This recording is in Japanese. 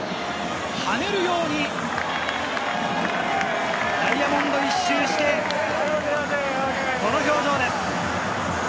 跳ねるようにダイヤモンドを一周して、この表情です。